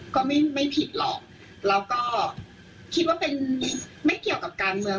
ก็ไม่ผิดหรอกแล้วก็คิดว่าเป็นไม่เกี่ยวกับการเมือง